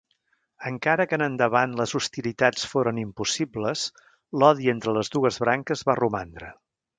Encara que en endavant les hostilitats foren impossibles, l'odi entre les dues branques va romandre.